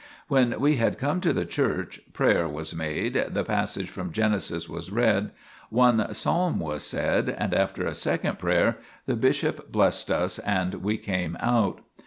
When we had come to the church, prayer was made, the passage from Genesis was read, one psalm was said, and after a second prayer the bishop blessed us and we came out.